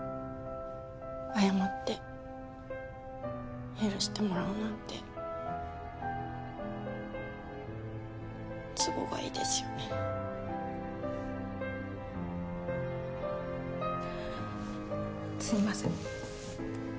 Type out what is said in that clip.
謝って許してもらおうなんて都合がいいですよねすいません